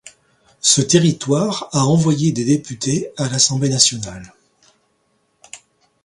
Ce territoire a envoyé des députés à l'Assemblée nationale.